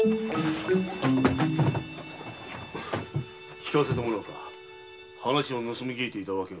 聞かせてもらおうか話を盗み聞いていた訳を。